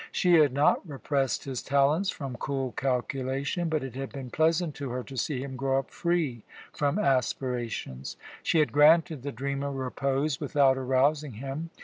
She had not repressed his talents from cool calculation, but it had been pleasant to her to see him grow up free from aspirations. She had granted the dreamer repose without arousing him.